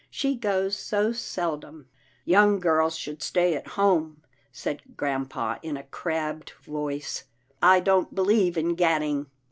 She goes so seldom." " Young girls should stay at home," said grampa in a crabbed voice, " I don't believe in gadding."